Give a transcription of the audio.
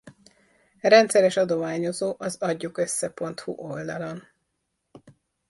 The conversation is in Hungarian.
Rendszeres adományozó az Adjukossze.hu oldalon.